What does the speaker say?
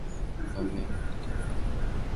Wamewataka watendaji wote wa serikali kujituma